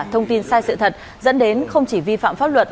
thông tin sai sự thật dẫn đến không chỉ vi phạm pháp luật